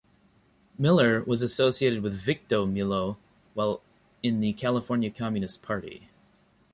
Miller was associated with Victor Milo while in the California Communist Party.